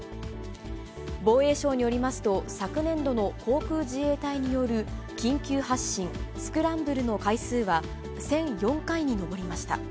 防衛省によりますと、昨年度の航空自衛隊による緊急発進・スクランブルの回数は、１００４回に上りました。